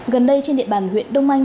gần đây trên địa bàn huyện đông anh